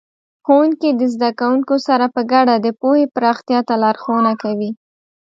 ښوونکي د زده کوونکو سره په ګډه د پوهې پراختیا ته لارښوونه کوي.